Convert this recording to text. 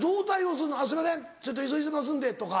「すいませんちょっと急いでますんで」とか。